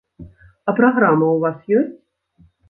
А праграма ў вас ёсць?